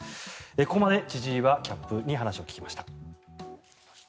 ここまで千々岩キャップに話を聞きました。